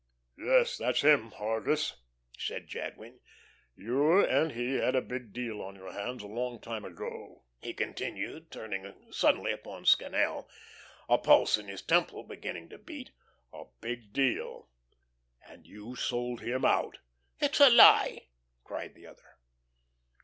"Yes, that's him, Hargus," said Jadwin. "You and he had a big deal on your hands a long time ago," he continued, turning suddenly upon Scannel, a pulse in his temple beginning to beat. "A big deal, and you sold him out." "It's a lie!" cried the other.